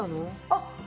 あっ！